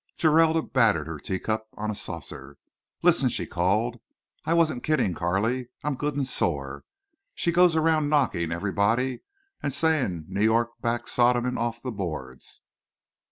Geralda battered her teacup on a saucer. "Listen," she called. "I wasn't kidding Carley. I am good and sore. She goes around knocking everybody and saying New York backs Sodom off the boards.